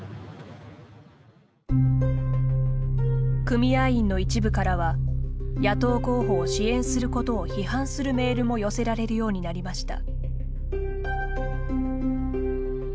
組合員の一部からは野党候補を支援することを批判するメールも寄せられるようになりました。